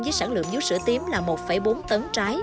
với sản lượng dúa sữa tím là một bốn tấn trái